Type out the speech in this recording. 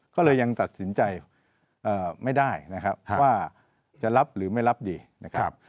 ก็เลยยังตัดสินใจไม่ได้นะครับว่าจะรับหรือไม่รับดีนะครับ